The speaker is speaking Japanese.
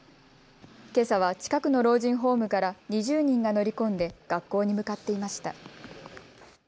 けさは近くの老人ホームから２０人が乗り込んで学校に向かっていました。